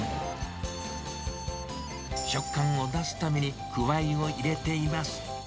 食感を出すために、クワイを入れています。